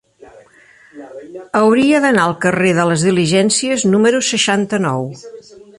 Hauria d'anar al carrer de les Diligències número seixanta-nou.